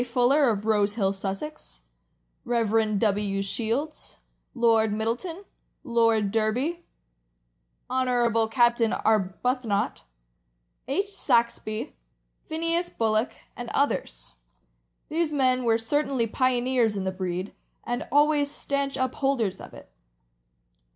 Fuller, of Rosehill, Sussex; Rev. W. Shields, Lord Middleton, Lord Derby, Hon. Captain Arbuthnott, H. Saxby, Phineas Bullock, and others. These men were cer tainly pioneers in the breed, and always stanch upholders of it.